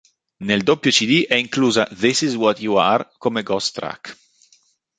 Nel doppio cd è inclusa "This is What You Are" come ghost track.